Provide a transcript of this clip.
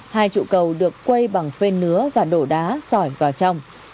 hai trụ cầu được quay bằng phe nứa và đổ đá sỏi vào trong